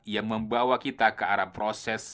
yang membawa kita ke arah proses